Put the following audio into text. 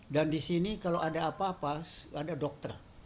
dan di sini kalau ada apa apa ada dokter